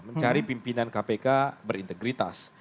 mencari pimpinan kpk berintegritas